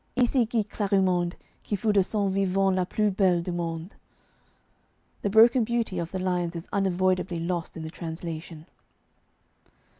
Ici gît Clarimonde Qui fut de son vivant La plus belle du monde. The broken beauty of the lines is unavoidably lost in the translation.